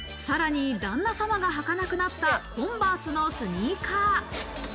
さらに、旦那様が履かなくなったコンバースのスニーカー。